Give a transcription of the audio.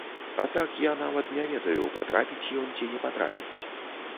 А так я нават не ведаю, патрапіць ён ці не патрапіць.